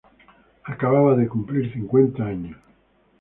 Acababa de cumplir cincuenta años.